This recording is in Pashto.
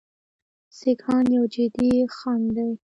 سیکهان یو جدي خنډ دی.